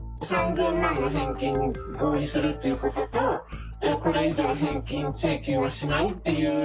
３０００万の返金に合意するっていうことと、これ以上返金請求はしないっていう。